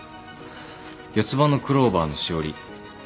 四つ葉のクローバーのしおり